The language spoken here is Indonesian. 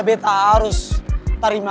beta harus terima